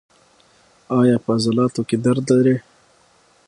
ایا په عضلاتو کې درد لرئ؟